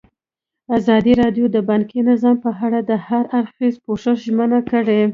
ازادي راډیو د بانکي نظام په اړه د هر اړخیز پوښښ ژمنه کړې.